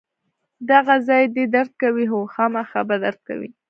دغه ځای دې درد کوي؟ هو، خامخا به درد کوي.